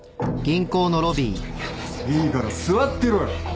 いいから座ってろよ。